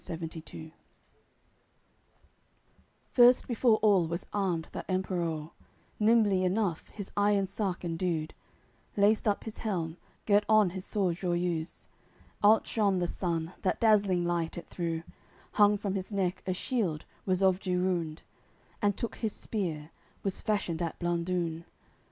AOI. CCXC First before all was armed that Emperour, Nimbly enough his iron sark indued, Laced up his helm, girt on his sword Joiuse, Outshone the sun that dazzling light it threw, Hung from his neck a shield, was of Girunde, And took his spear, was fashioned at Blandune.